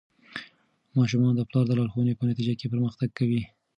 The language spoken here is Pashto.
ماشومان د پلار د لارښوونو په نتیجه کې پرمختګ کوي.